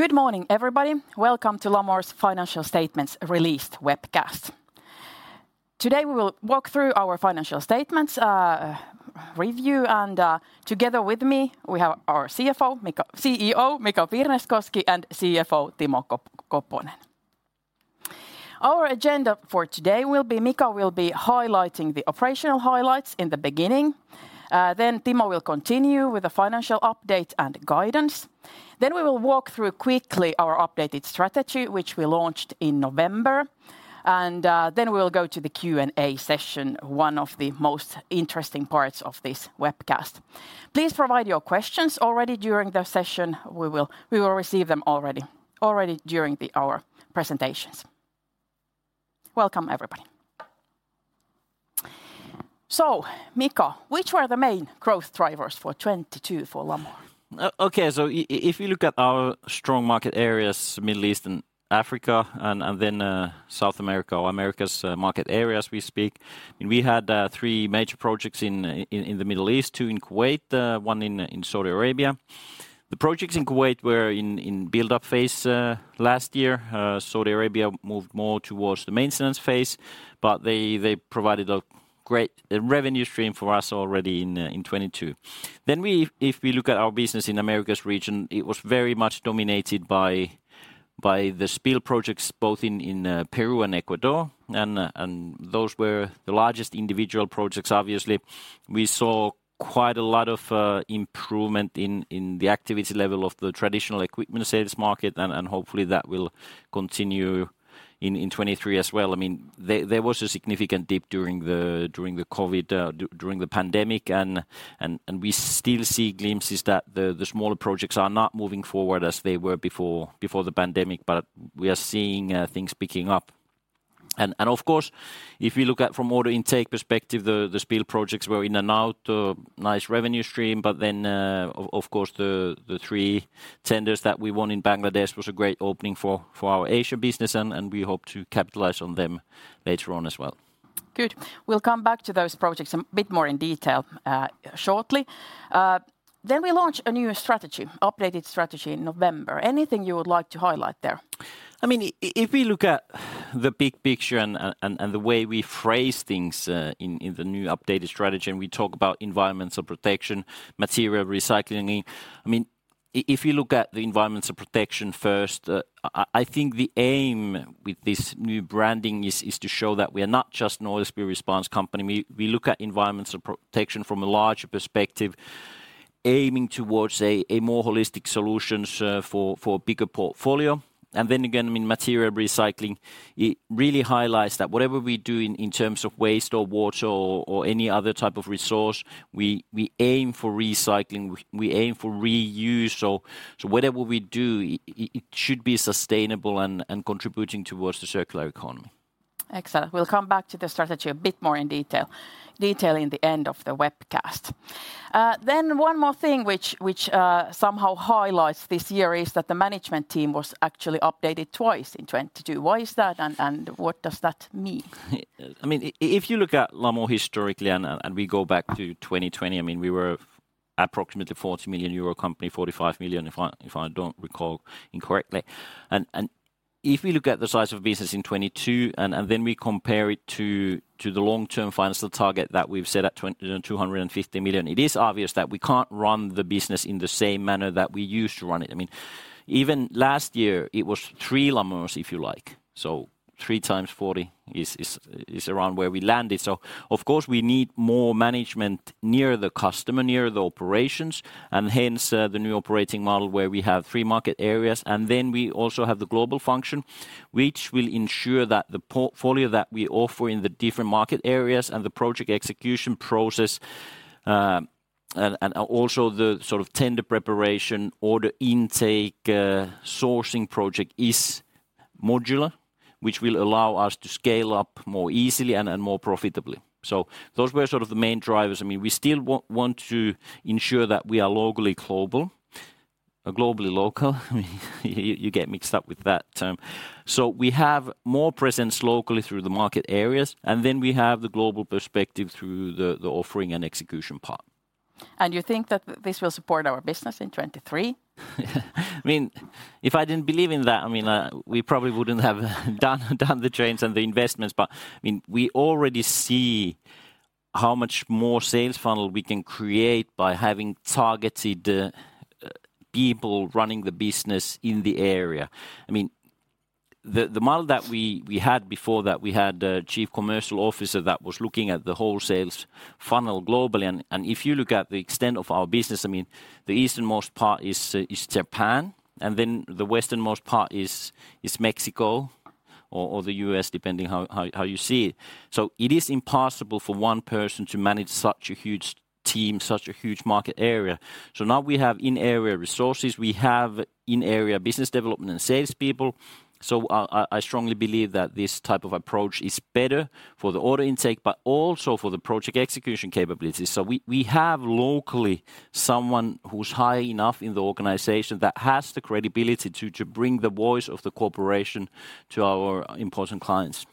Good morning, everybody. Welcome to Lamor's Financial Statements Release webcast. Today, we will walk through our financial statements review, and together with me, we have our CEO, Mika Pirneskoski, and CFO, Timo Koponen. Our agenda for today will be Mika will be highlighting the operational highlights in the beginning, then Timo will continue with the financial update and guidance. We will walk through quickly our updated strategy, which we launched in November. We'll go to the Q&A session, one of the most interesting parts of this webcast. Please provide your questions already during the session. We will receive them already during our presentations. Welcome, everybody. Mika, which were the main growth drivers for 2022 for Lamor? If you look at our strong market areas, Middle East and Africa, and then South America or Americas market area, as we speak, and we had three major projects in the Middle East, two in Kuwait, one in Saudi Arabia. The projects in Kuwait were in buildup phase last year. Saudi Arabia moved more towards the maintenance phase, but they provided a great revenue stream for us already in 2022. If we look at our business in Americas region, it was very much dominated by the spill projects both in Peru and Ecuador, and those were the largest individual projects obviously. We saw quite a lot of improvement in the activity level of the traditional equipment sales market, and hopefully that will continue in 2023 as well. I mean, there was a significant dip during the COVID during the pandemic, and we still see glimpses that the smaller projects are not moving forward as they were before the pandemic. We are seeing things picking up. Of course, if you look at from order intake perspective, the spill projects were in and out, a nice revenue stream. Then of course, the three tenders that we won in Bangladesh was a great opening for our Asia business, and we hope to capitalize on them later on as well. Good. We'll come back to those projects a bit more in detail, shortly. We launch a new strategy, updated strategy in November. Anything you would like to highlight there? I mean, if we look at the big picture and the way we phrase things in the new updated strategy, we talk about environmental protection, material recycling. I mean, if you look at the environmental protection first, I think the aim with this new branding is to show that we are not just an oil spill response company. We look at environmental protection from a larger perspective, aiming towards a more holistic solutions for a bigger portfolio. Then again, I mean, material recycling, it really highlights that whatever we do in terms of waste or water or any other type of resource, we aim for recycling, we aim for reuse. Whatever we do, it should be sustainable and contributing towards the circular economy. Excellent. We'll come back to the strategy a bit more in detail in the end of the webcast. One more thing which somehow highlights this year is that the management team was actually updated twice in 2022. Why is that, and what does that mean? I mean, if you look at Lamor historically, we go back to 2020, I mean, we were approximately 40 million euro company, 45 million if I don't recall incorrectly. If you look at the size of business in 2022, we compare it to the long-term financial target that we've set at 250 million, it is obvious that we can't run the business in the same manner that we used to run it. I mean, even last year it was three Lamors, if you like. Three times 40 is around where we landed. Of course, we need more management near the customer, near the operations, and hence, the new operating model where we have three market areas. We also have the global function, which will ensure that the portfolio that we offer in the different market areas and the project execution process, and also the sort of tender preparation, order intake, sourcing project is modular, which will allow us to scale up more easily and more profitably. Those were sort of the main drivers. I mean, we still want to ensure that we are locally global, globally local. I mean you get mixed up with that term. We have more presence locally through the market areas, and then we have the global perspective through the offering and execution part. You think that this will support our business in 2023? I mean, if I didn't believe in that, I mean, we probably wouldn't have done the changes and the investments. I mean, we already see how much more sales funnel we can create by having targeted people running the business in the area. I mean, the model that we had before that, we had a chief commercial officer that was looking at the wholesales funnel globally. If you look at the extent of our business, I mean, the easternmost part is Japan, and then the westernmost part is Mexico or the U.S. depending how you see it. It is impossible for one person to manage such a huge team, such a huge market area. Now we have in-area resources. We have in-area business development and salespeople. I strongly believe that this type of approach is better for the order intake, but also for the project execution capabilities. We have locally someone who's high enough in the organization that has the credibility to bring the voice of the corporation to our important clients.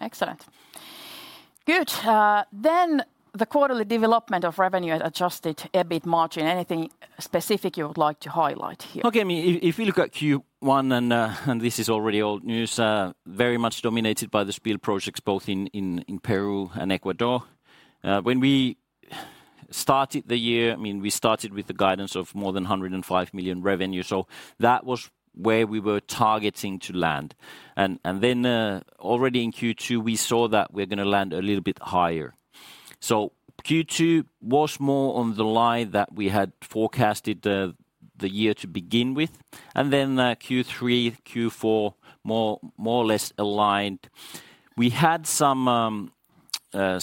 Excellent. Good. The quarterly development of revenue adjusted EBIT margin, anything specific you would like to highlight here? Okay. I mean, if you look at Q1, and this is already old news, very much dominated by the spill projects both in Peru and Ecuador. When we started the year, I mean, we started with the guidance of more than 105 million revenue, so that was where we were targeting to land. Already in Q2 we saw that we're gonna land a little bit higher. Q2 was more on the line that we had forecasted the year to begin with, and then Q3, Q4 more or less aligned. We had some, I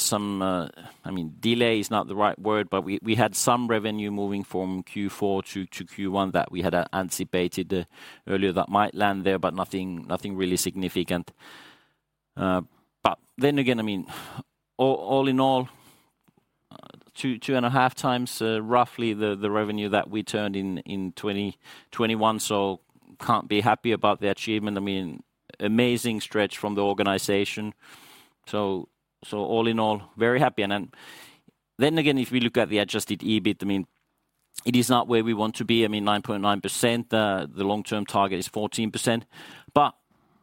mean, delay is not the right word, but we had some revenue moving from Q4 to Q1 that we had anticipated earlier that might land there, but nothing really significant. Then again, I mean, all in all, 2.5x roughly the revenue that we turned in 2021, so can't be happy about the achievement. I mean, amazing stretch from the organization. All in all, very happy. Then again, if we look at the Adjusted EBIT, I mean, it is not where we want to be. I mean, 9.9%, the long-term target is 14%.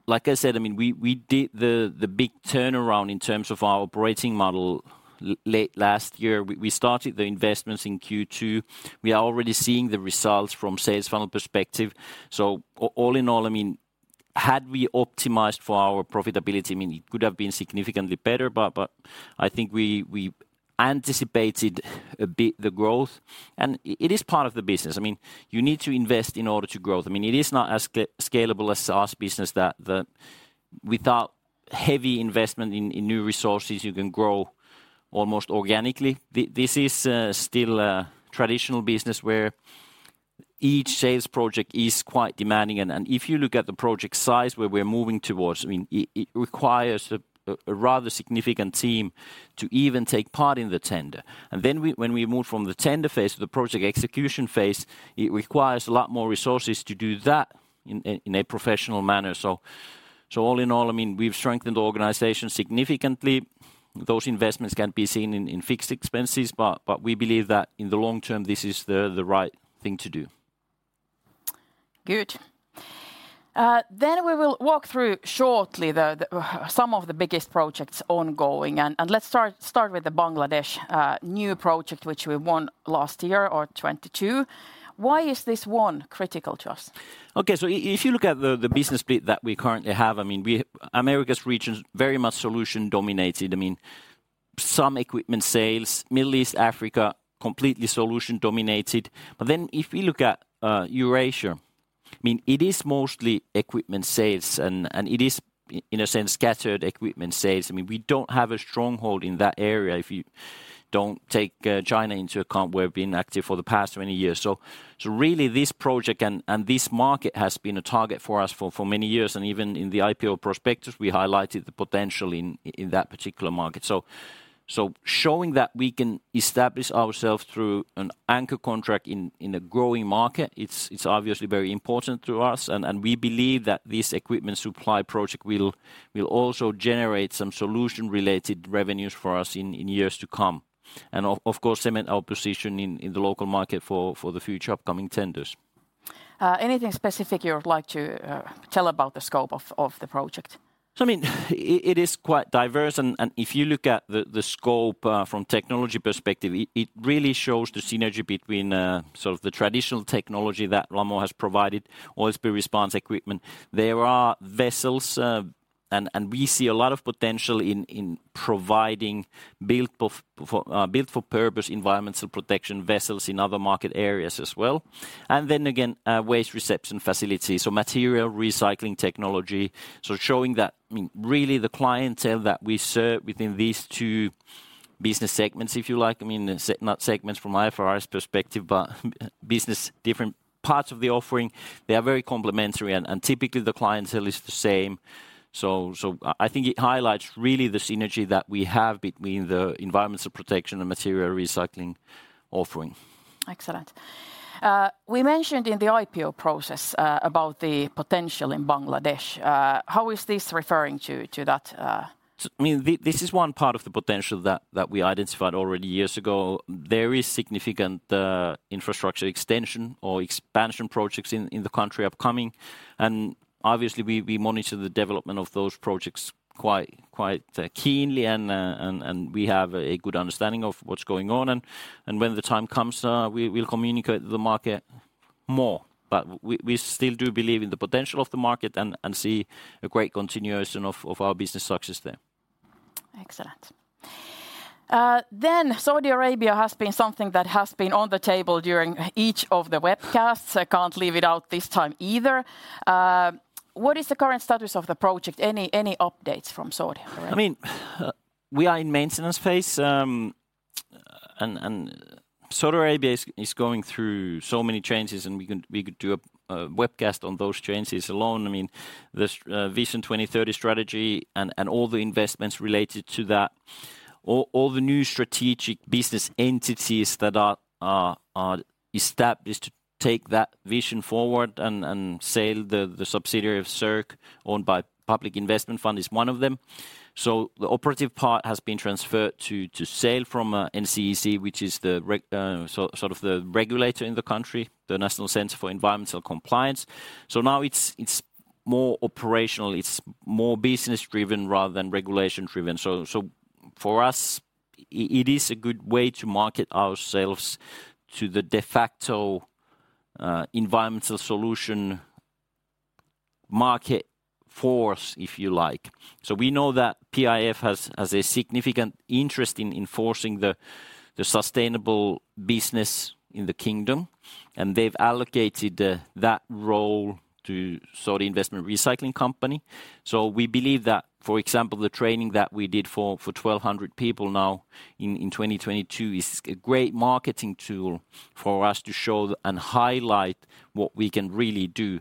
Like I said, I mean, we did the big turnaround in terms of our operating model late last year. We started the investments in Q2. We are already seeing the results from sales funnel perspective. All in all, I mean, had we optimized for our profitability, I mean, it could have been significantly better, but I think we anticipated a bit the growth, and it is part of the business. I mean, you need to invest in order to grow. I mean, it is not as scalable as SaaS business that without heavy investment in new resources you can grow almost organically. this is still a traditional business where each sales project is quite demanding, and if you look at the project size where we're moving towards, I mean, it requires a rather significant team to even take part in the tender. When we move from the tender phase to the project execution phase, it requires a lot more resources to do that in a professional manner. All in all, I mean, we've strengthened the organization significantly. Those investments can be seen in fixed expenses, but we believe that in the long term this is the right thing to do. Good. Then we will walk through shortly the some of the biggest projects ongoing. Let's start with the Bangladesh new project which we won last year or 2022. Why is this one critical to us? Okay. If you look at the business bit that we currently have, I mean, Americas region very much solution-dominated. I mean, some equipment sales. Middle East, Africa, completely solution-dominated. If you look at Eurasia, I mean, it is mostly equipment sales and it is in a sense scattered equipment sales. I mean, we don't have a stronghold in that area if you don't take China into account, where we've been active for the past many years. Really this project and this market has been a target for us for many years. Even in the IPO prospectus we highlighted the potential in that particular market. Showing that we can establish ourselves through an anchor contract in a growing market, it's obviously very important to us, and we believe that this equipment supply project will also generate some solution-related revenues for us in years to come. Of course cement our position in the local market for the future upcoming tenders. Anything specific you would like to tell about the scope of the project? I mean, it is quite diverse. If you look at the scope from technology perspective, it really shows the synergy between sort of the traditional technology that Lamor has provided, oil spill response equipment. There are vessels, and we see a lot of potential in providing built-for-purpose environmental protection vessels in other market areas as well. Waste reception facilities, so material recycling technology. Showing that, I mean, really the clientele that we serve within these two business segments, if you like, I mean, not segments from IFRS perspective, but business different parts of the offering, they are very complementary, and typically the clientele is the same. I think it highlights really the synergy that we have between the environmental protection and material recycling offering. Excellent. We mentioned in the IPO process, about the potential in Bangladesh. How is this referring to that? I mean, this is one part of the potential that we identified already years ago. There is significant infrastructure extension or expansion projects in the country upcoming. Obviously we monitor the development of those projects quite keenly and we have a good understanding of what's going on. When the time comes, we'll communicate the market more. We still do believe in the potential of the market and see a great continuation of our business success there. Excellent. Saudi Arabia has been something that has been on the table during each of the webcasts. I can't leave it out this time either. What is the current status of the project? Any updates from Saudi Arabia? I mean, we are in maintenance phase, and Saudi Arabia is going through so many changes, and we could do a webcast on those changes alone. I mean, the Vision 2030 strategy and all the investments related to that. All the new strategic business entities that are established to take that vision forward and SIRC, the subsidiary of SIRC owned by Public Investment Fund, is one of them. The operative part has been transferred to SIRC from NCEC, which is sort of the regulator in the country, the National Center for Environmental Compliance. Now it's more operational, it's more business driven rather than regulation driven. For us, it is a good way to market ourselves to the de facto environmental solution market force, if you like. We know that PIF has a significant interest in enforcing the sustainable business in the Kingdom, and they've allocated that role to Saudi Investment Recycling Company. We believe that, for example, the training that we did for 1,200 people now in 2022 is a great marketing tool for us to show and highlight what we can really do.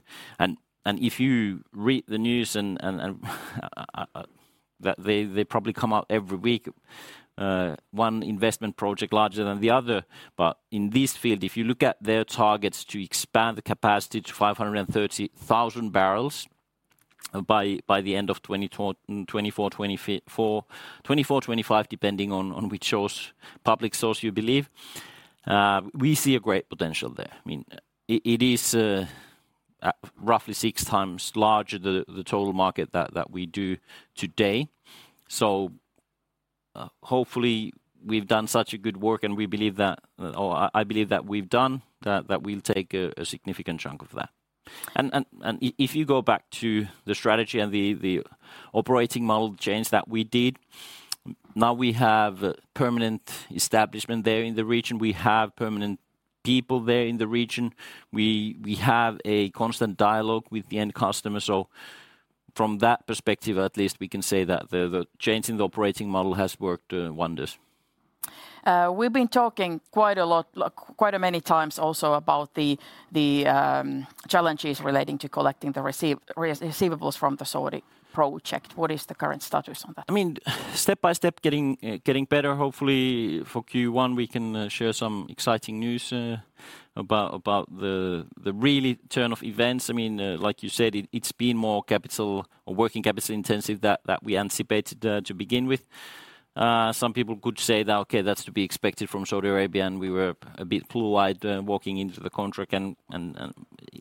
If you read the news and that they probably come out every week, one investment project larger than the other. In this field, if you look at their targets to expand the capacity to 530,000 barrels by the end of 2024-2025, depending on which source, public source you believe, we see a great potential there. I mean, it is roughly six times larger the total market that we do today. Hopefully we've done such a good work, and we believe that, or I believe that we've done that we'll take a significant chunk of that. And if you go back to the strategy and the operating model change that we did, now we have permanent establishment there in the region. We have permanent people there in the region. We have a constant dialogue with the end customer. From that perspective, at least, we can say that the change in the operating model has worked wonders. We've been talking quite a lot, like quite a many times also about the, challenges relating to collecting the receivables from the Saudi project. What is the current status on that? I mean, step by step getting better. Hopefully, for Q1 we can share some exciting news about the really turn of events. I mean, like you said, it's been more capital or working capital intensive that we anticipated to begin with. Some people could say that, okay, that's to be expected from Saudi Arabia, and we were a bit blue-eyed walking into the contract and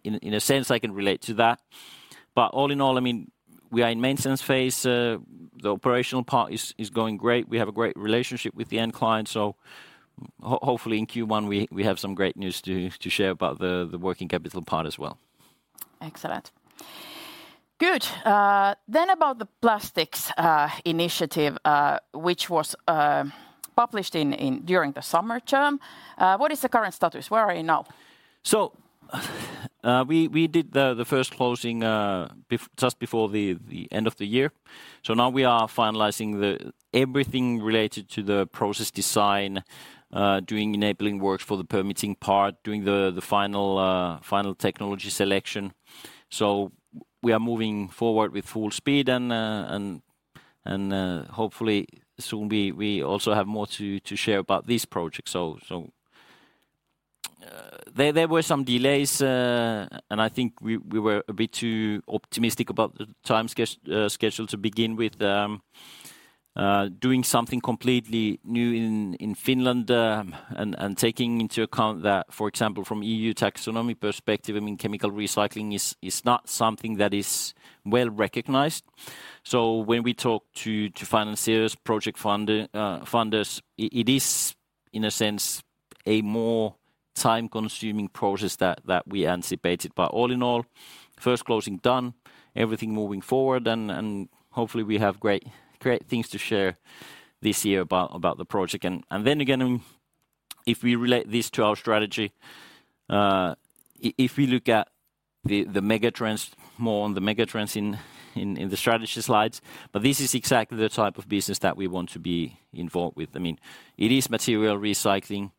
in a sense, I can relate to that. All in all, I mean, we are in maintenance phase. The operational part is going great. We have a great relationship with the end client. Hopefully in Q1 we have some great news to share about the working capital part as well. Excellent. Good. About the plastics initiative, which was published in during the summer term. What is the current status? Where are you now? We did the first closing just before the end of the year. Now we are finalizing everything related to the process design, doing enabling work for the permitting part, doing the final technology selection. We are moving forward with full speed and hopefully soon we also have more to share about this project. There were some delays, and I think we were a bit too optimistic about the time schedule to begin with, doing something completely new in Finland, and taking into account that, for example, from EU taxonomy perspective, I mean, chemical recycling is not something that is well-recognized. When we talk to financiers, project funders, it is in a sense, a more time-consuming process that we anticipated. All in all, first closing done, everything moving forward and hopefully we have great things to share this year about the project. Then again, if we relate this to our strategy, if we look at the megatrends more on the megatrends in the strategy slides, this is exactly the type of business that we want to be involved with. I mean, it is material recycling.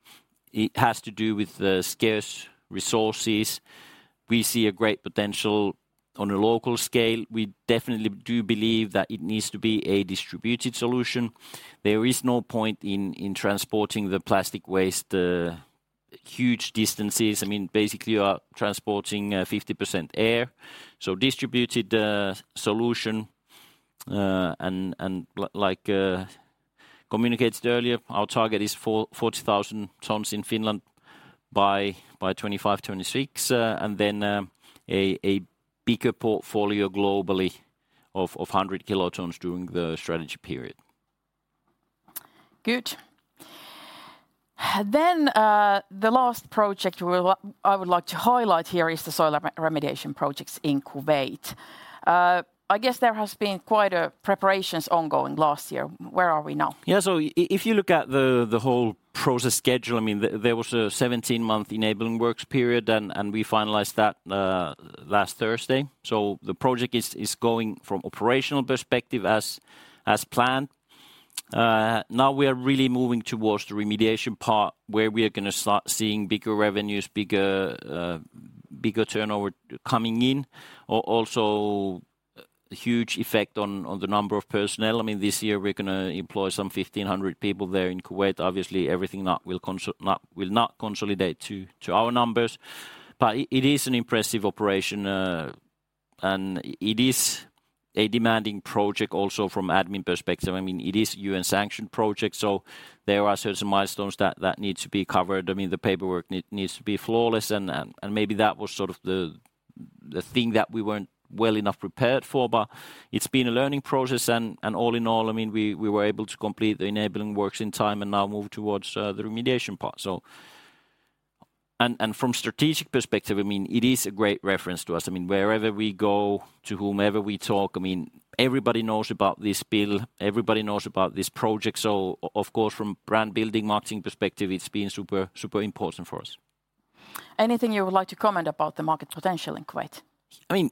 It has to do with the scarce resources. We see a great potential on a local scale. We definitely do believe that it needs to be a distributed solution. There is no point in transporting the plastic waste huge distances. I mean, basically you are transporting 50% air, so distributed solution. And like, communicated earlier, our target is for 40,000 tons in Finland by 2025, 2026, and then, a bigger portfolio globally of 100 kilotons during the Strategy period. Good. The last project I would like to highlight here is the soil remediation projects in Kuwait. I guess there has been quite a preparations ongoing last year. Where are we now? Yeah. If you look at the whole process schedule, I mean, there was a 17-month enabling works period and we finalized that last Thursday. The project is going from operational perspective as planned. Now we are really moving towards the remediation part where we are gonna start seeing bigger revenues, bigger turnover coming in. Also huge effect on the number of personnel. I mean, this year we're gonna employ some 1,500 people there in Kuwait. Obviously, everything will not consolidate to our numbers. It is an impressive operation. It is a demanding project also from admin perspective. I mean, it is UN-sanctioned project, there are certain milestones that need to be covered. I mean, the paperwork needs to be flawless and maybe that was sort of the thing that we weren't well enough prepared for. It's been a learning process and all in all, I mean, we were able to complete the enabling works in time and now move towards the remediation part. From strategic perspective, I mean, it is a great reference to us. I mean, wherever we go, to whomever we talk, I mean, everybody knows about this build, everybody knows about this project. Of course, from brand-building marketing perspective, it's been super important for us. Anything you would like to comment about the market potential in Kuwait? I mean,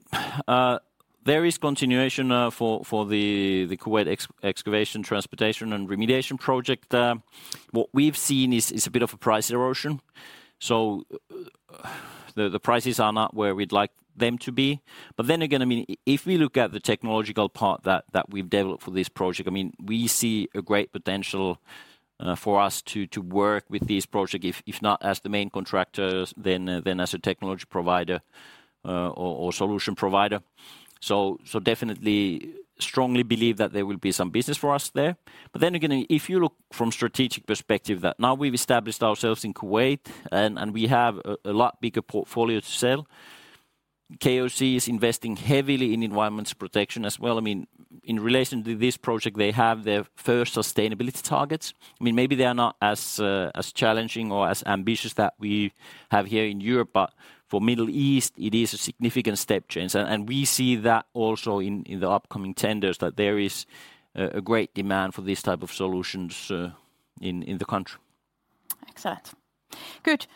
there is continuation for the Kuwait excavation, transportation, and remediation project. What we've seen is a bit of a price erosion, so the prices are not where we'd like them to be. I mean, if we look at the technological part that we've developed for this project, I mean, we see a great potential for us to work with this project if not as the main contractors, then as a technology provider, or solution provider. Definitely strongly believe that there will be some business for us there. If you look from strategic perspective that now we've established ourselves in Kuwait and we have a lot bigger portfolio to sell, KOC is investing heavily in environmental protection as well. I mean, in relation to this project, they have their first sustainability targets. I mean, maybe they are not as challenging or as ambitious that we have here in Europe, but for Middle East, it is a significant step change. We see that also in the upcoming tenders that there is a great demand for these type of solutions in the country. Excellent. Good.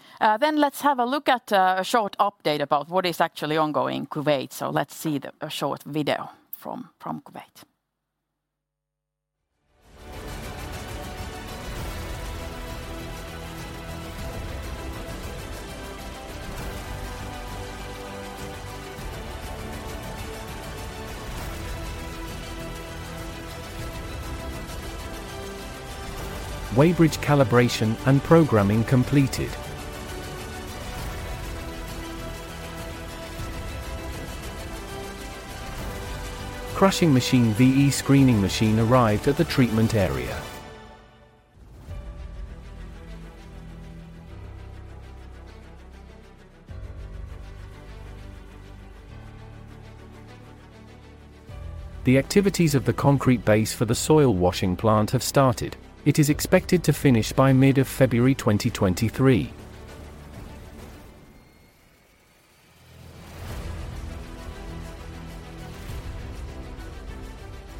Let's have a look at a short update about what is actually ongoing in Kuwait. Let's see a short video from Kuwait. Weighbridge calibration and programming completed. Crushing machine, VE screening machine arrived at the treatment area. The activities of the concrete base for the soil washing plant have started. It is expected to finish by mid of February 2023.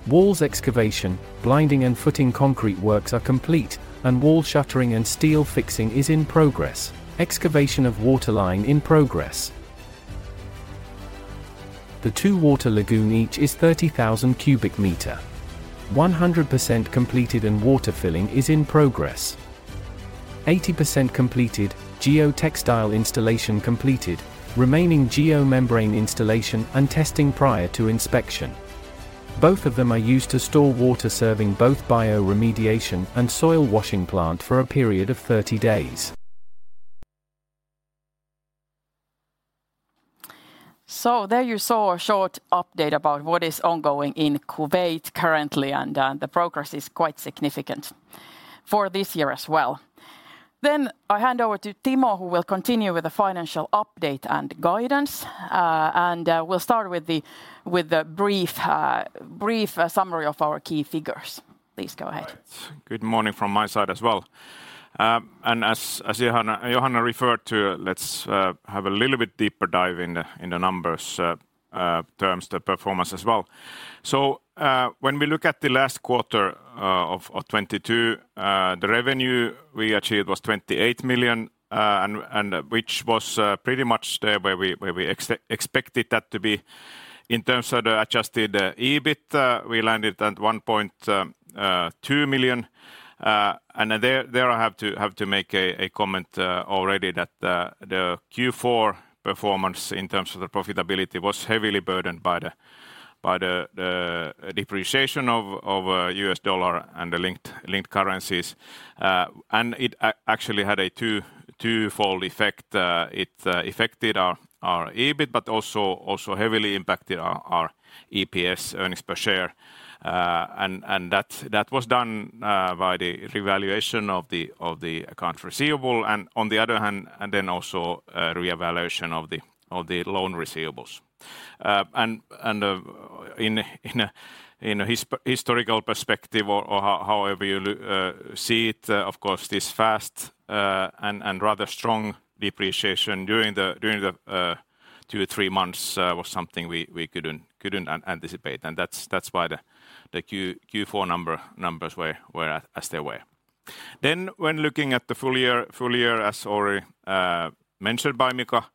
Walls excavation, blinding and footing concrete works are complete, and wall shuttering and steel fixing is in progress. Excavation of waterline in progress. The two water lagoon each is 30,000 cubic meters. 100% completed and water filling is in progress. 80% completed. Geotextile installation completed. Remaining geomembrane installation and testing prior to inspection. Both of them are used to store water serving both bioremediation and soil washing plant for a period of 30 days. There you saw a short update about what is ongoing in Kuwait currently. The progress is quite significant for this year as well. I hand over to Timo, who will continue with the financial update and guidance. We'll start with a brief summary of our key figures. Please go ahead. All right. Good morning from my side as well. As Johanna referred to, let's have a little bit deeper dive in the numbers terms the performance as well. When we look at the last quarter of 2022, the revenue we achieved was 28 million, and which was pretty much there where we expected that to be. In terms of the Adjusted EBIT, we landed at 1.2 million. There I have to make a comment already that the Q4 performance in terms of the profitability was heavily burdened by the depreciation of U.S. dollar and the linked currencies. It actually had a twofold effect. It affected our EBIT, but also heavily impacted our EPS, earnings per share. That was done by the revaluation of the accounts receivable, and on the other hand, and then also a reevaluation of the loan receivables. In a historical perspective or however you see it, of course this fast and rather strong depreciation during the two to three months was something we couldn't anticipate, and that's why the Q4 numbers were as they were. When looking at the full year as already mentioned by Mika,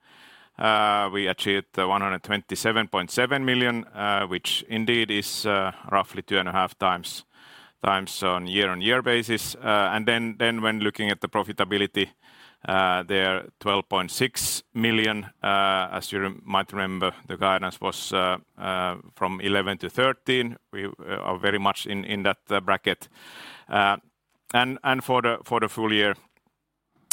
we achieved 127.7 million, which indeed is roughly 2.5x year-on-year basis. When looking at the profitability, there 12.6 million. As you might remember, the guidance was from 11 million-13 million. We are very much in that bracket. For the full year,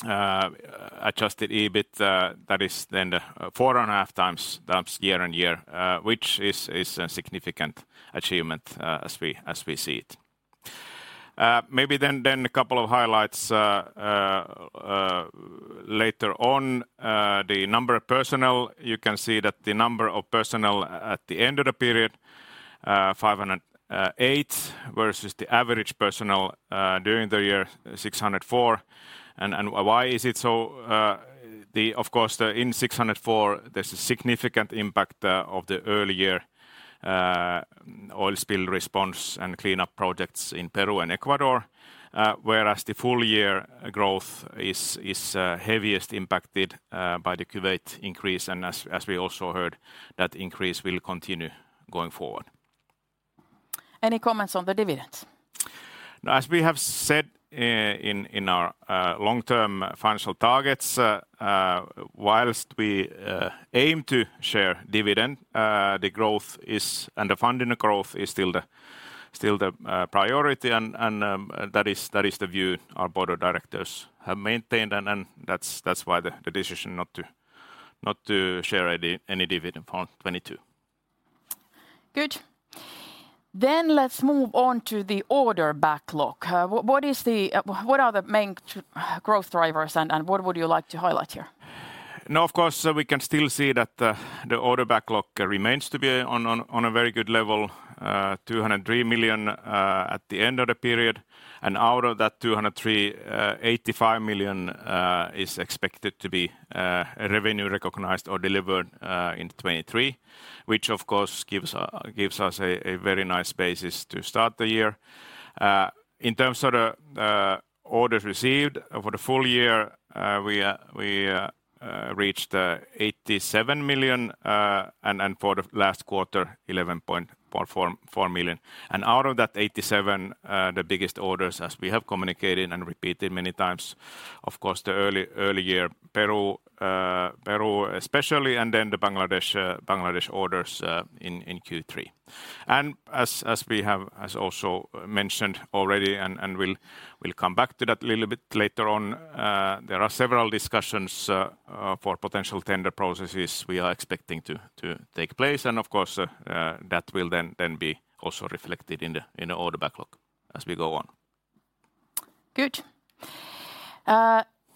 Adjusted EBIT, that is then the 4.5x year-on-year, which is a significant achievement as we see it. Maybe then a couple of highlights later on. The number of personnel, you can see that the number of personnel at the end of the period, 508 versus the average personnel during the year, 604. Why is it so? Of course, in 604, there's a significant impact of the early year oil spill response and cleanup projects in Peru and Ecuador, whereas the full year growth is heaviest impacted by the Kuwait increase. As we also heard, that increase will continue going forward. Any comments on the dividends? As we have said, in our long-term financial targets, whilst we aim to share dividend, the funding growth is still the priority. That is the view our board of directors have maintained. That's why the decision not to share any dividend for 2022. Good. let's move on to the order backlog. What are the main growth drivers and what would you like to highlight here? Of course, we can still see that the order backlog remains to be on a very good level. 203 million at the end of the period. Out of that 203, 85 million is expected to be revenue recognized or delivered in 2023, which of course gives us a very nice basis to start the year. In terms of the orders received for the full year, we reached 87 million, and for the last quarter, 11.444 million. Out of that 87, the biggest orders as we have communicated and repeated many times, of course, the early year Peru especially, and then the Bangladesh orders in Q3. As we have, as also mentioned already and we'll come back to that a little bit later on, there are several discussions for potential tender processes we are expecting to take place. Of course, that will then be also reflected in the order backlog as we go on. Good.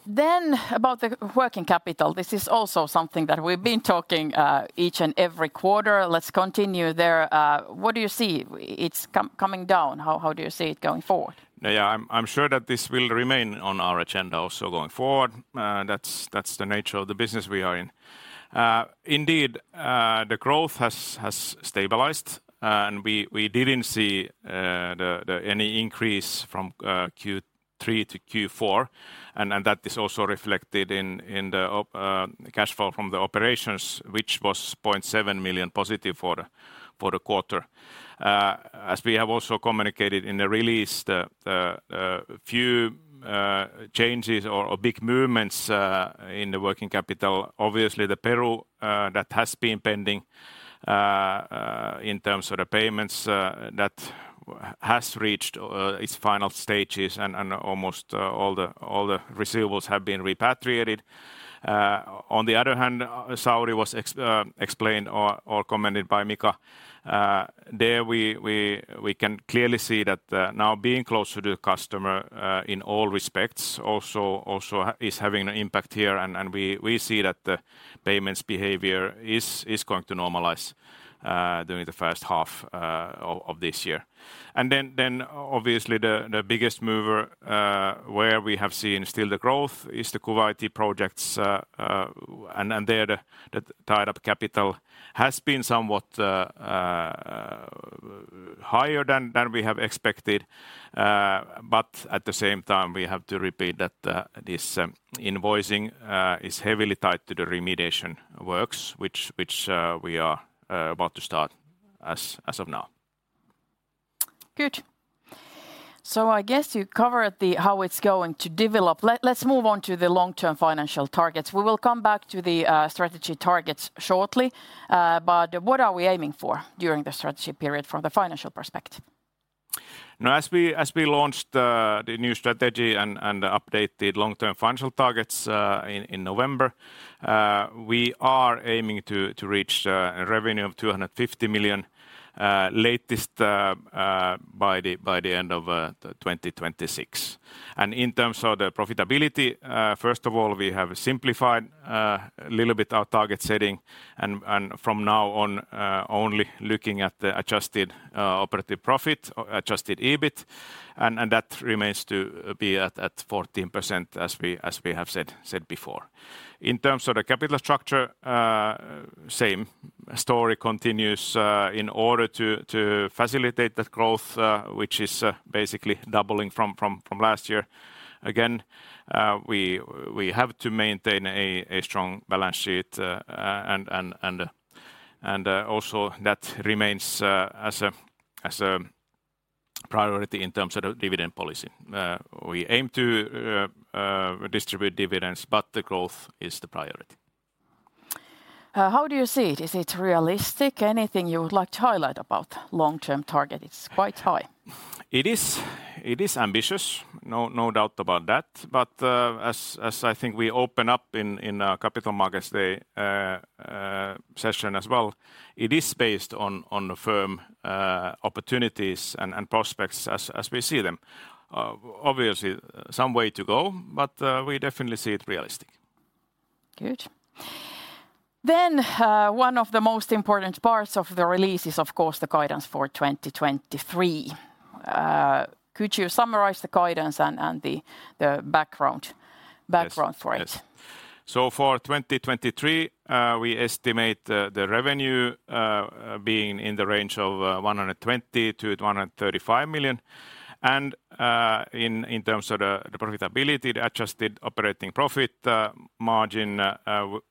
About the working capital. This is also something that we've been talking, each and every quarter. Let's continue there. What do you see? It's coming down. How do you see it going forward? Yeah. I'm sure that this will remain on our agenda also going forward. That's the nature of the business we are in. Indeed, the growth has stabilized. we didn't see any increase from Q3 to Q4, and that is also reflected in the cash flow from the operations, which was 0.7 million positive for the quarter. As we have also communicated in the release, the few changes or big movements in the working capital, obviously the Peru, that has been pending in terms of the payments, that has reached its final stages and almost all the receivables have been repatriated. On the other hand, Saudi was explained or commented by Mika. There we can clearly see that now being close to the customer in all respects also is having an impact here. We see that the payments behavior is going to normalize during the first half of this year. Obviously the biggest mover where we have seen still the growth is the Kuwaiti projects. There the tied-up capital has been somewhat higher than we have expected. At the same time, we have to repeat that this invoicing is heavily tied to the remediation works, which we are about to start as of now. Good. I guess you covered how it's going to develop. Let's move on to the long-term financial targets. We will come back to the strategy targets shortly. What are we aiming for during the strategy period from the financial perspective? Now, as we launched the new Strategy and updated long-term financial targets in November, we are aiming to reach a revenue of 250 million, latest, by the end of 2026. In terms of the profitability, first of all, we have simplified a little bit our target setting, and from now on, only looking at the Adjusted operative profit, Adjusted EBIT, and that remains to be at 14% as we have said before. In terms of the capital structure, same story continues, in order to facilitate that growth, which is basically doubling from last year. Again, we have to maintain a strong balance sheet, and also that remains as a priority in terms of the dividend policy. We aim to distribute dividends, but the growth is the priority. How do you see it? Is it realistic? Anything you would like to highlight about long-term target? It's quite high. It is ambitious, no doubt about that. As I think we open up in Capital Markets Day session as well, it is based on the firm opportunities and prospects as we see them. Obviously some way to go, but we definitely see it realistic. Good. One of the most important parts of the release is, of course, the guidance for 2023. Could you summarize the guidance and the background? Yes Background for it? Yes. For 2023, we estimate the revenue being in the range of 120 million-135 million. In terms of the profitability, the Adjusted operating profit margin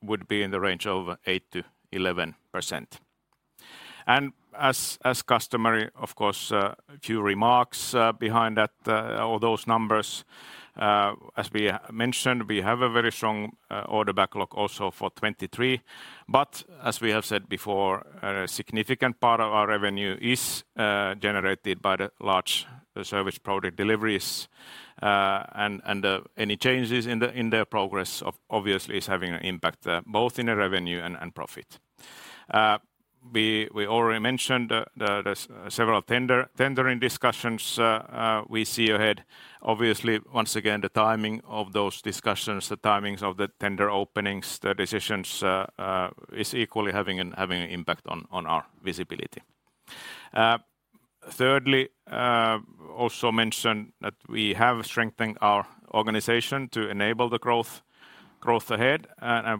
would be in the range of 8%-11%. As customary, of course, a few remarks behind that, all those numbers, as we mentioned, we have a very strong order backlog also for 2023, but as we have said before, a significant part of our revenue is generated by the large service product deliveries. Any changes in their progress obviously is having an impact both in the revenue and profit. We already mentioned the several tendering discussions we see ahead. Obviously, once again, the timing of those discussions, the timings of the tender openings, the decisions, is equally having an impact on our visibility. Thirdly, also mention that we have strengthened our organization to enable the growth ahead.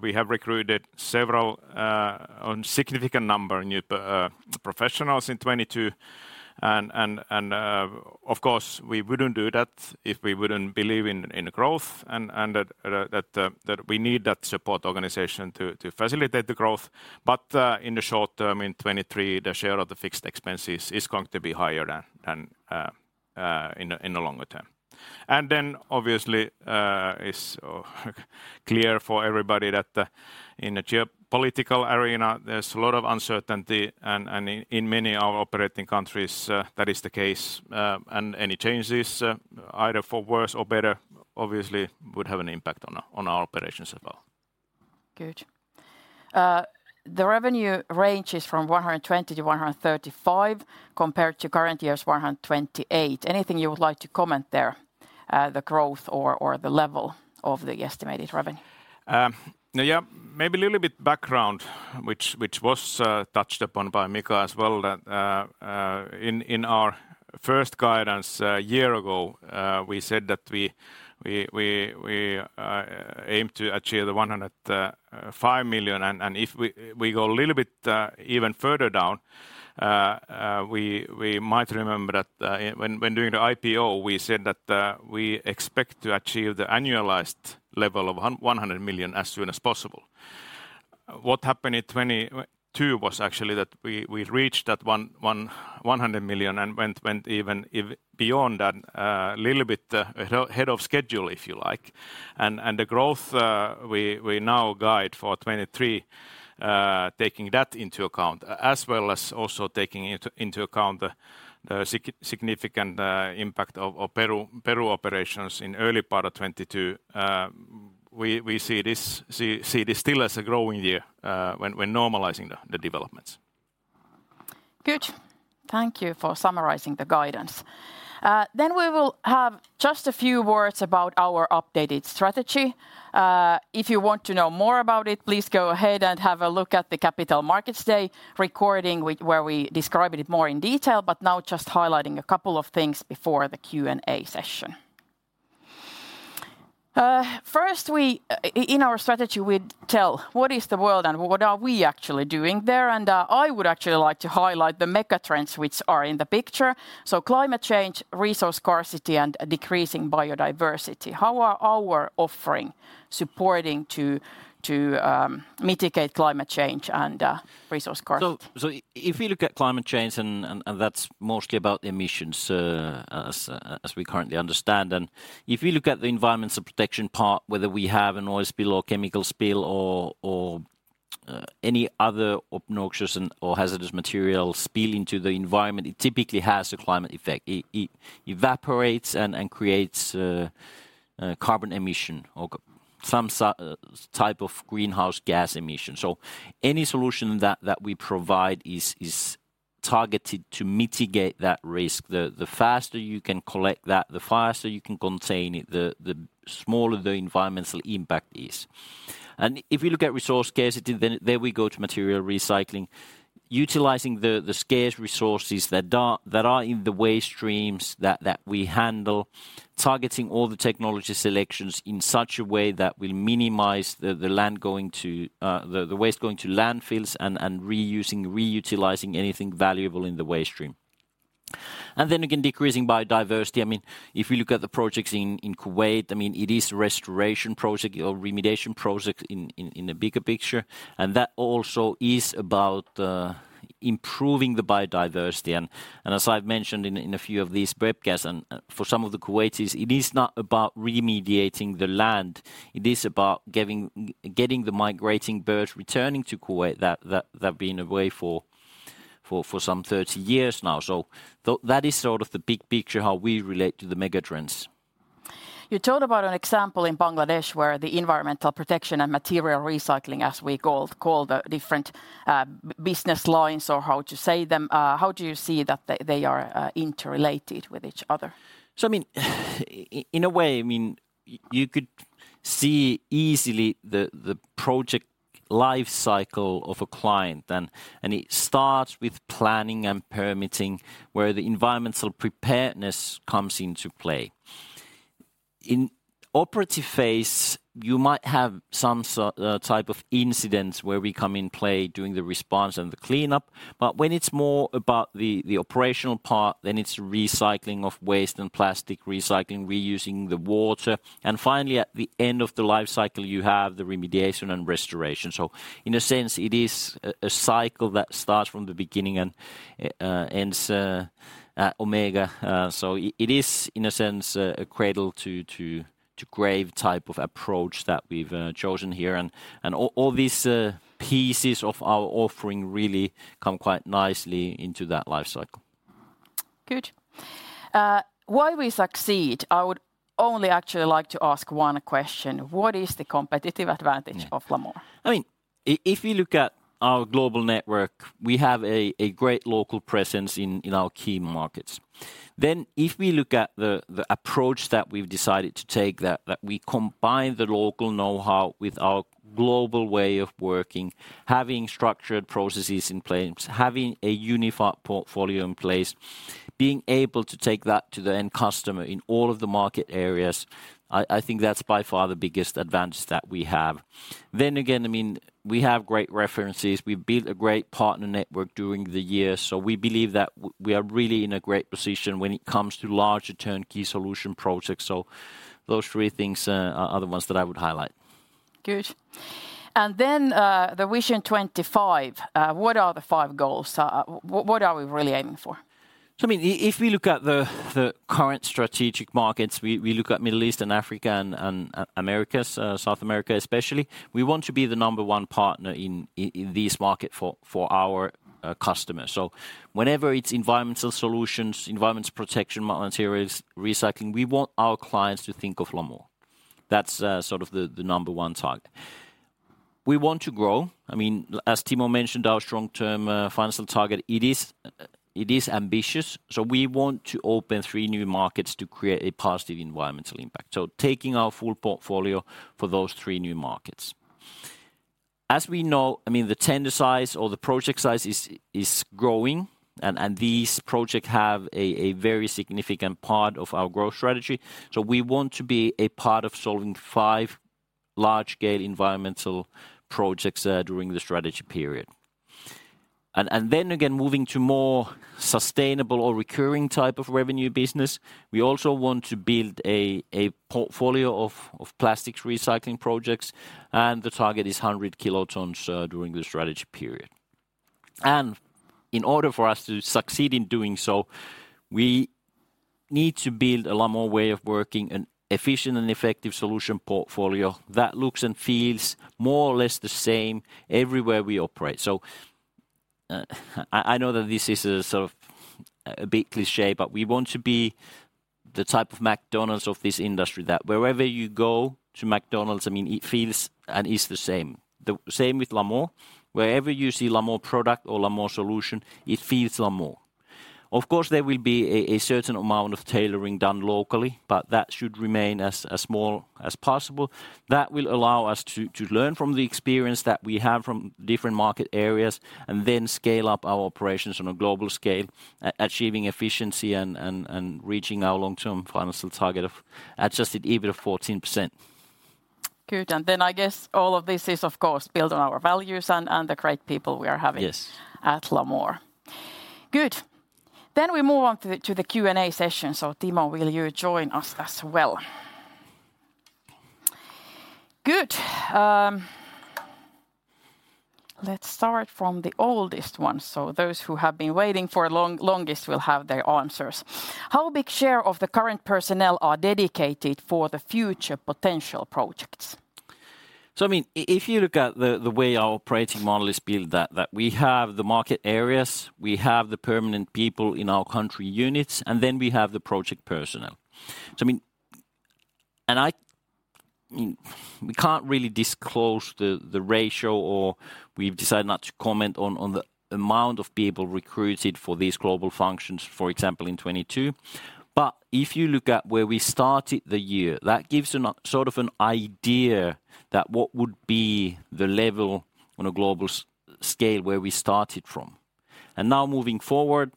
We have recruited several, significant number new professionals in 2022. Of course, we wouldn't do that if we wouldn't believe in the growth and that we need that support organization to facilitate the growth. In the short term, in 2023, the share of the fixed expenses is going to be higher than in the longer term. Obviously, it's clear for everybody that, in the geopolitical arena, there's a lot of uncertainty and in many of our operating countries, that is the case. Any changes, either for worse or better obviously would have an impact on our, on our operations as well. Good. The revenue range is from 120-135 compared to current year's 128. Anything you would like to comment there, the growth or the level of the estimated revenue? Yeah, maybe a little bit background, which was touched upon by Mika as well, that in our first guidance a year ago, we said that we aim to achieve the 105 million, and if we go a little bit even further down, we might remember that when doing the IPO, we said that we expect to achieve the annualized level of 100 million as soon as possible. What happened in 2022 was actually that we reached that 100 million and went even beyond that, little bit ahead of schedule, if you like. The growth, we now guide for 2023, taking that into account, as well as also taking into account the significant impact of Peru operations in early part of 2022, we see this still as a growing year, when normalizing the developments. Good. Thank you for summarizing the guidance. We will have just a few words about our updated strategy. If you want to know more about it, please go ahead and have a look at the Capital Markets Day recording where we describe it more in detail, but now just highlighting a couple of things before the Q&A session. First, we, in our strategy, we tell what is the world and what are we actually doing there. I would actually like to highlight the mega trends which are in the picture. Climate change, resource scarcity, and decreasing biodiversity. How are our offering supporting to mitigate climate change and resource scarcity? If you look at climate change and that's mostly about emissions, as we currently understand, and if you look at the environmental protection part, whether we have an oil spill or chemical spill or any other obnoxious and/or hazardous material spill into the environment, it typically has a climate effect. It evaporates and creates carbon emission or some type of greenhouse gas emission. Any solution that we provide is targeted to mitigate that risk. The faster you can collect that, the faster you can contain it, the smaller the environmental impact is. If you look at resource scarcity, then there we go to material recycling, utilizing the scarce resources that are in the waste streams that we handle, targeting all the technology selections in such a way that will minimize the land going to the waste going to landfills and reusing, reutilizing anything valuable in the waste stream. Then again, decreasing biodiversity. I mean, if you look at the projects in Kuwait, I mean, it is restoration project or remediation project in the bigger picture, and that also is about. Improving the biodiversity. As I've mentioned in a few of these prep guests, for some of the Kuwaitis, it is not about remediating the land, it is about getting the migrating birds returning to Kuwait that have been away for some 30 years now. That is sort of the big picture how we relate to the megatrends. You told about an example in Bangladesh where the environmental protection and material recycling, as we called, call the different, business lines or how to say them, how do you see that they are interrelated with each other? I mean, in a way, I mean, you could see easily the project life cycle of a client. It starts with planning and permitting, where the environmental preparedness comes into play. In operative phase, you might have some a type of incidents where we come in play doing the response and the cleanup, but when it's more about the operational part, then it's recycling of waste and plastic recycling, reusing the water. Finally, at the end of the life cycle, you have the remediation and restoration. In a sense, it is a cycle that starts from the beginning and ends at omega. It is in a sense, a cradle to grave type of approach that we've chosen here. All these pieces of our offering really come quite nicely into that life cycle. Good. why we succeed, I would only actually like to ask one question. What is the competitive advantage? Yeah Of Lamor? I mean, if you look at our global network, we have a great local presence in our key markets. If we look at the approach that we've decided to take that we combine the local knowhow with our global way of working, having structured processes in place, having a unified portfolio in place, being able to take that to the end customer in all of the market areas, I think that's by far the biggest advantage that we have. Again, I mean, we have great references. We've built a great partner network during the year, we believe that we are really in a great position when it comes to larger turnkey solution projects. Those three things are the ones that I would highlight. Good. Then, the Vision 25, what are the five goals? What are we really aiming for? I mean, if we look at the current strategic markets, we look at Middle East and Africa and Americas, South America especially, we want to be the number one partner in this market for our customers. Whenever it's environmental solutions, environmental protection materials, recycling, we want our clients to think of Lamor. That's sort of the number one target. We want to grow. I mean, as Timo mentioned, our strong term financial target, it is ambitious, so we want to open three new markets to create a positive environmental impact, so taking our full portfolio for those three new markets. As we know, I mean, the tender size or the project size is growing and these project have a very significant part of our growth strategy, so we want to be a part of solving five large scale environmental projects during the strategy period. Then again, moving to more sustainable or recurring type of revenue business, we also want to build a portfolio of plastics recycling projects, and the target is 100 kilotons during the strategy period. In order for us to succeed in doing so, we need to build a Lamor way of working an efficient and effective solution portfolio that looks and feels more or less the same everywhere we operate. I know that this is a sort of a bit cliche, but we want to be the type of McDonald's of this industry, that wherever you go to McDonald's, I mean, it feels and is the same. The same with Lamor. Wherever you see Lamor product or Lamor solution, it feels Lamor. Of course, there will be a certain amount of tailoring done locally, but that should remain as small as possible. That will allow us to learn from the experience that we have from different market areas, and then scale up our operations on a global scale, achieving efficiency and reaching our long-term financial target of Adjusted EBITDA 14%. Good. I guess all of this is, of course, built on our values and the great people we are having. Yes At Lamor. Good. We move on to the, to the Q&A session. Timo, will you join us as well? Good. Let's start from the oldest one. Those who have been waiting for longest will have their answers. How big share of the current personnel are dedicated for the future potential projects? I mean, if you look at the way our operating model is built, that we have the market areas, we have the permanent people in our country units, and then we have the project personnel. We can't really disclose the ratio, or we've decided not to comment on the amount of people recruited for these global functions, for example, in 2022. If you look at where we started the year, that gives sort of an idea that what would be the level on a global scale where we started from. Now moving forward,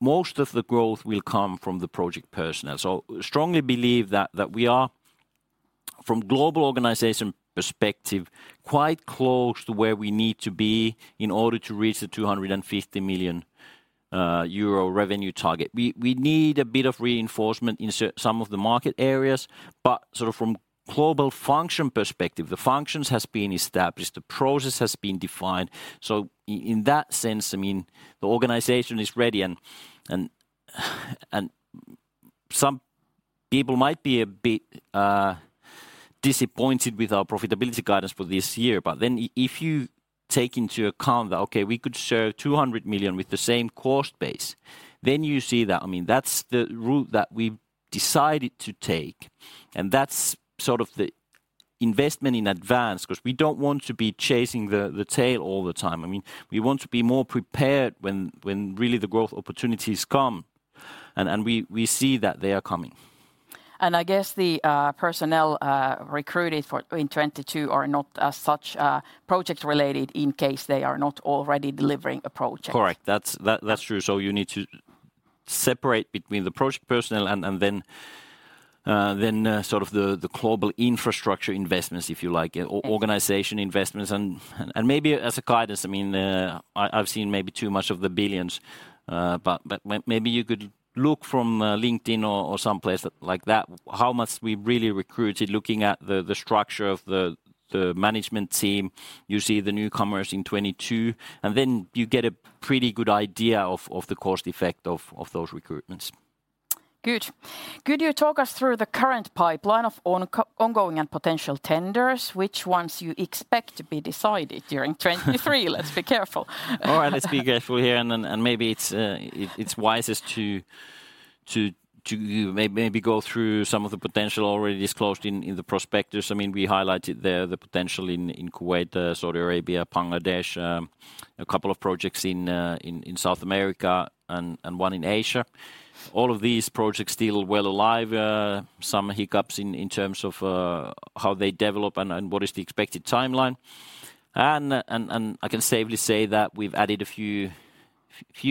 most of the growth will come from the project personnel. Strongly believe that we are, from global organization perspective, quite close to where we need to be in order to reach the 250 million euro revenue target. We need a bit of reinforcement in some of the market areas, but sort of from global function perspective, the functions has been established, the process has been defined. In that sense, I mean, the organization is ready, and some people might be a bit disappointed with our profitability guidance for this year. If you take into account that, okay, we could serve 200 million with the same cost base, then you see that. I mean, that's the route that we've decided to take, and that's sort of the investment in advance 'cause we don't want to be chasing the tail all the time. I mean, we want to be more prepared when really the growth opportunities come, and we see that they are coming. I guess the personnel recruited for... in 2022 are not such project-related in case they are not already delivering a project. Correct. That's, that's true. You need to separate between the personnel and then, sort of the global infrastructure investments, if you like. Okay Or organization investments. Maybe as a guidance, I mean, I've seen maybe too much of the billions. But maybe you could look from LinkedIn or someplace like that how much we really recruited. Looking at the structure of the management team, you see the newcomers in 2022, then you get a pretty good idea of the cost effect of those recruitments. Good. Could you talk us through the current pipeline of ongoing and potential tenders, which ones you expect to be decided during 2023? Let's be careful. All right. Let's be careful here. Maybe it's wisest to maybe go through some of the potential already disclosed in the prospectus. I mean, we highlighted there the potential in Kuwait, Saudi Arabia, Bangladesh, a couple of projects in South America, and one in Asia. All of these projects still well alive. Some hiccups in terms of how they develop and what is the expected timeline. I can safely say that we've added a few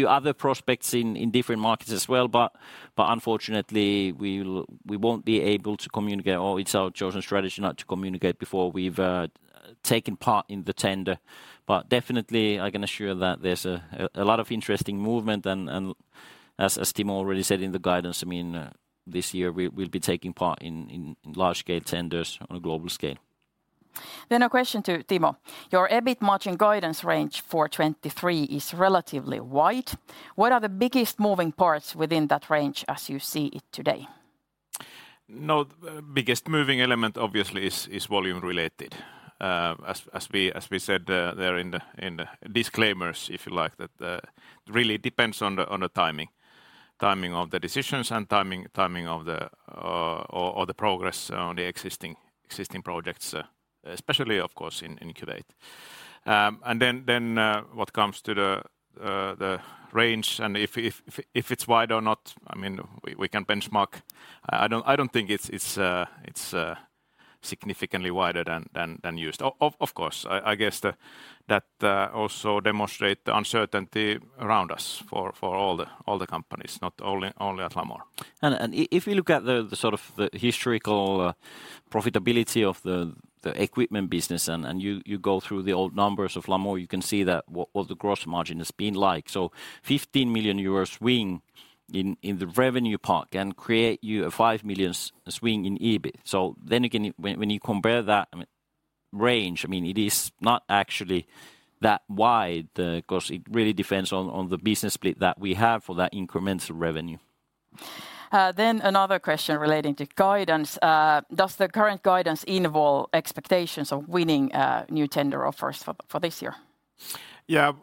other prospects in different markets as well, unfortunately, we won't be able to communicate, or it's our chosen strategy not to communicate before we've taken part in the tender. Definitely I can assure that there's a lot of interesting movement. And as Timo already said in the guidance, I mean, this year we'll be taking part in large scale tenders on a global scale. A question to Timo. Your EBIT margin guidance range for 2023 is relatively wide. What are the biggest moving parts within that range as you see it today? No. Biggest moving element obviously is volume related. As we said, there in the disclaimers, if you like, that really depends on the timing. Timing of the decisions and timing of the progress on the existing projects, especially of course in Kuwait. Then what comes to the range and if it's wide or not, I mean, we can benchmark. I don't think it's significantly wider than used. Of course, I guess that also demonstrates the uncertainty around us for all the companies, not only at Lamor. If you look at the sort of the historical profitability of the equipment business and you go through the old numbers of Lamor, you can see that what the gross margin has been like. 15 million euro swing in the revenue part can create you a five million swing in EBIT. When you compare that, I mean, range, I mean, it is not actually that wide, 'cause it really depends on the business split that we have for that incremental revenue. Another question relating to guidance. Does the current guidance involve expectations of winning, new tender offers for this year? Yeah.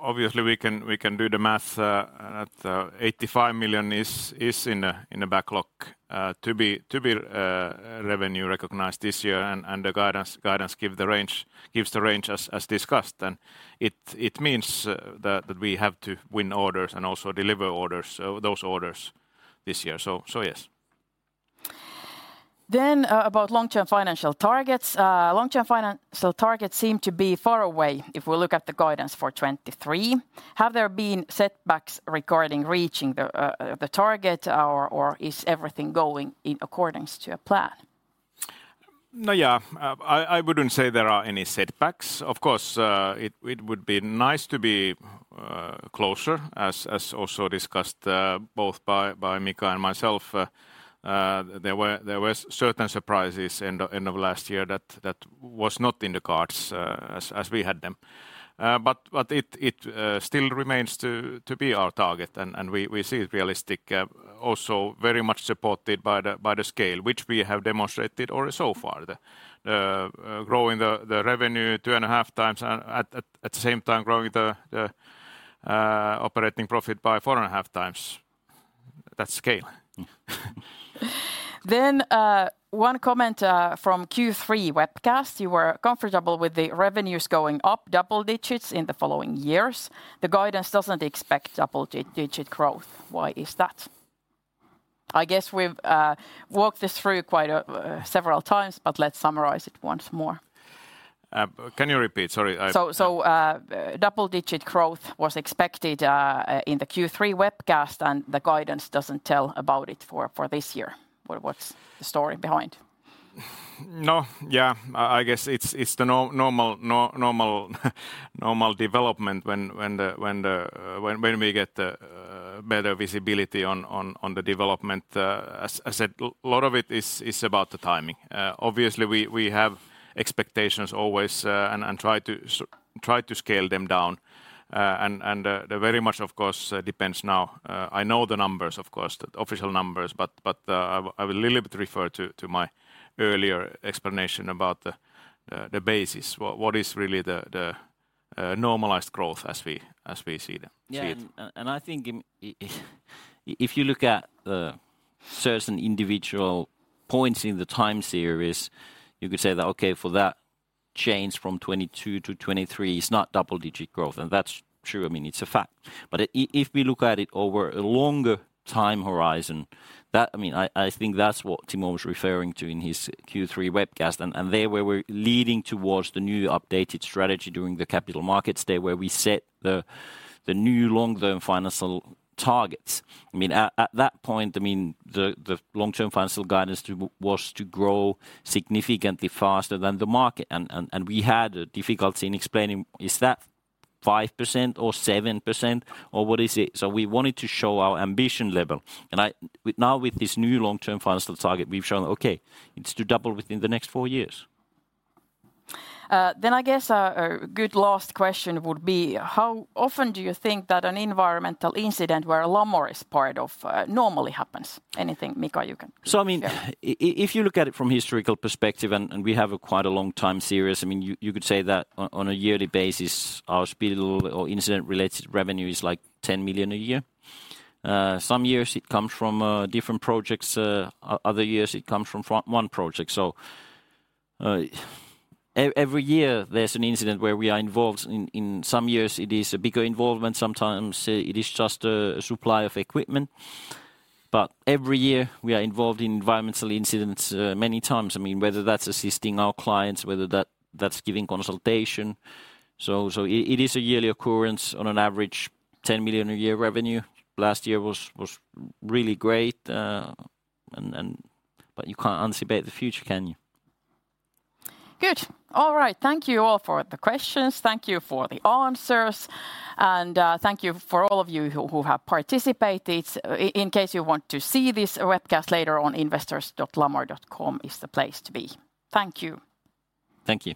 Obviously, we can do the math. At 85 million is in the backlog to be revenue recognized this year, the guidance gives the range as discussed. It means that we have to win orders and also deliver those orders this year. Yes. About long-term financial targets. Long-term financial targets seem to be far away if we look at the guidance for 2023. Have there been setbacks regarding reaching the target? Or is everything going in accordance to your plan? No, yeah. I wouldn't say there are any setbacks. Of course, it would be nice to be closer, as also discussed, both by Mika and myself. There were certain surprises end of last year that was not in the cards, as we had them. It still remains to be our target, and we see it realistic, also very much supported by the scale, which we have demonstrated or so far. The growing the revenue 2.5x and at the same time growing the operating profit by 4.5x. That's scale. One comment, from Q3 webcast. You were comfortable with the revenues going up double digits in the following years. The guidance doesn't expect double digit growth. Why is that? I guess we've, walked this through quite, several times, but let's summarize it once more. Can you repeat? Sorry. Double-digit growth was expected in the Q3 webcast, and the guidance doesn't tell about it this year. What's the story behind? No, yeah. I guess it's the normal development when we get the better visibility on the development. As I said, lot of it is about the timing. Obviously we have expectations always and try to scale them down and they very much of course depends now. I know the numbers of course, the official numbers, but I will a little bit refer to my earlier explanation about the basis. What is really the normalized growth as we see them, see it. Yeah, and I think, if you look at certain individual points in the time series, you could say that, okay, for that change from 2022 to 2023, it's not double digit growth, and that's true. I mean, it's a fact. But if we look at it over a longer time horizon, that... I mean, I think that's what Timo was referring to in his Q3 webcast. There where we're leading towards the new updated strategy during the Capital Markets Day where we set the new long-term financial targets. I mean, at that point, I mean, the long-term financial guidance was to grow significantly faster than the market. We had a difficulty in explaining is that 5% or 7% or what is it? We wanted to show our ambition level, and I... Now with this new long-term financial target, we've shown, okay, it's to double within the next four years. I guess a good last question would be: how often do you think that an environmental incident where Lamor is part of, normally happens? Anything, Mika, you can share. If you look at it from historical perspective, and we have a quite a long time series, you could say that on a yearly basis our spill or incident-related revenue is 10 million a year. Some years it comes from different projects, other years it comes from one project. Every year there's an incident where we are involved in. Some years it is a bigger involvement, sometimes it is just a supply of equipment. Every year we are involved in environmental incidents many times. Whether that's assisting our clients, whether that's giving consultation. It is a yearly occurrence on an average 10 million a year revenue. Last year was really great, and. You can't anticipate the future, can you? Good. All right. Thank you all for the questions. Thank you for the answers. Thank you for all of you who have participated. In case you want to see this webcast later on, investors.lamor.com is the place to be. Thank you. Thank you.